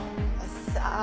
さあ。